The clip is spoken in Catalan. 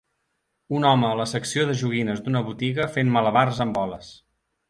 Un home a la secció de joguines d'una botiga fent malabars amb boles